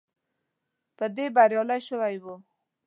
په دې بریالی شوی وو.